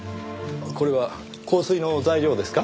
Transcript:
これは香水の材料ですか？